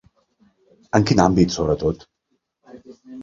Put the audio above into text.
En quin àmbit sobretot?